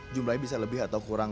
jumlahnya bisa lebih atau kurang